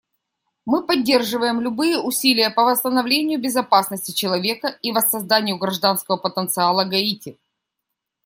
Мы поддерживаем любые усилия по восстановлению безопасности человека и воссозданию гражданского потенциала Гаити.